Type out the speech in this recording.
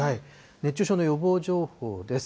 熱中症の予防情報です。